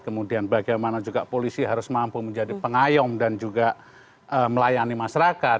kemudian bagaimana juga polisi harus mampu menjadi pengayom dan juga melayani masyarakat